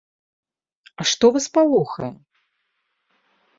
А што вас палохае?